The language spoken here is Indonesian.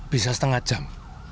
bisa setengah jam